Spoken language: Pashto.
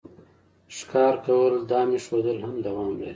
ښکار کول او دام ایښودل هم دوام لري